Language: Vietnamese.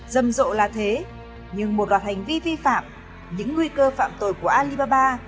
dầm rộ là thế nhưng một đoạt hành vi vi phạm những nguy cơ phạm tội của alibaba